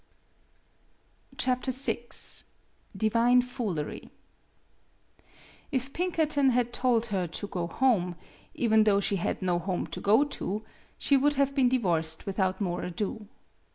VI DIVINE FOOLERY IF Pinkerton had told her to go home, even though she had no home to go to, she MADAME BUTTERFLY 23 would have been divorced without more ado.